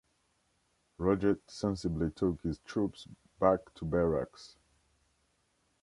Roget sensibly took his troops back to barracks.